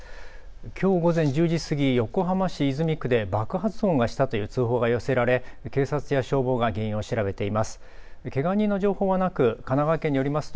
きょう午前１０時過ぎ、横浜市泉区で爆発音がしたという通報が寄せられ、警察や消防が原因を調べています。